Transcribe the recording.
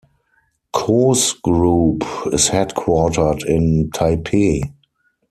Koos Group is headquartered in Taipei.